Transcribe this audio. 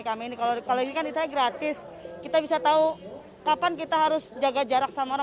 kami ini kalau ini kan istilahnya gratis kita bisa tahu kapan kita harus jaga jarak sama orang